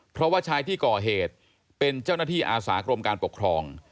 เพราะว่าชายที่ก่อเหตุเป็นเจ้าหน้าที่อาสากรมการปกครอง